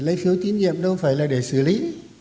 lấy phiếu tín nhiệm đâu phải là để xử lý